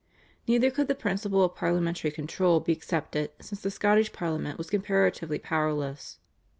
Neither could the principle of parliamentary control be accepted since the Scottish Parliament was comparatively powerless.